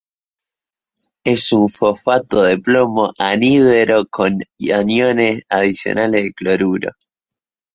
Es un fosfato de plomo anhidro con aniones adicionales de cloruro.